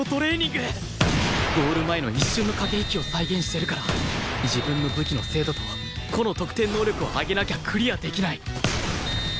ゴール前の一瞬の駆け引きを再現してるから自分の武器の精度と個の得点能力を上げなきゃクリアできない